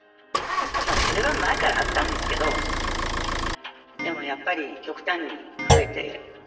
まあそれは前からあったんですけどでもやっぱり極端に増えて。